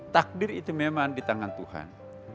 takdir itu memang di tangan tuhan